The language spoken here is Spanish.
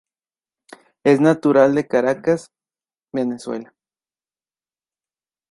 Es natural de Caracas, Venezuela.